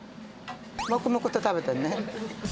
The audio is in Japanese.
黙々と食べてるね。